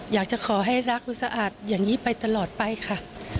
อยากจะขอให้รักคุณสะอาดอย่างนี้ไปตลอดไปค่ะ